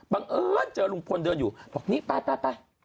บังเอิญเจอลุงพลเดินอยู่บอกนี่ไปบ้านหน่อย